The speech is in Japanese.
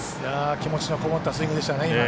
気持ちのこもったスイングでしたね。